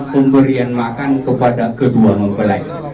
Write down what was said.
pemberian makan kepada kedua mempelai